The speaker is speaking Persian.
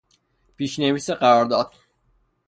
پیشنویس قرارداد